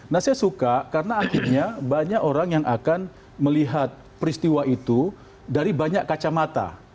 nah saya suka karena akhirnya banyak orang yang akan melihat peristiwa itu dari banyak kacamata